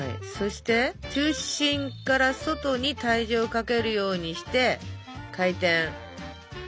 そして中心から外に体重をかけるようにして回転。